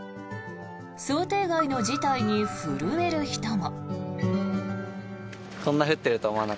想定外の事態に震える人も。